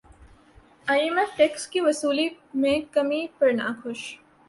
ئی M F tax کی وصولیوں میں کمی پر ناخوش